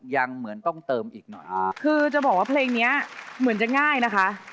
ยังเหมือนต้องเติมอีกหน่อยคือจะบอกว่าเพลงเนี้ยเหมือนจะง่ายนะคะ